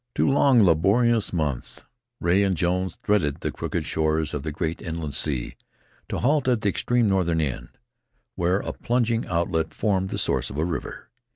Two long, laborious months Rea and Jones threaded the crooked shores of the great inland sea, to halt at the extreme northern end, where a plunging rivulet formed the source of a river.